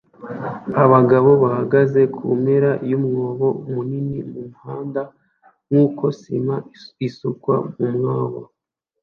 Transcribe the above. Abagabo bahagaze kumpera yumwobo munini mumuhanda nkuko sima isukwa mumwobo